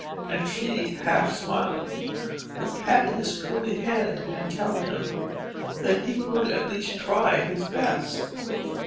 And she, half smiling, would pat his curly head and tell him that he could at least try his best.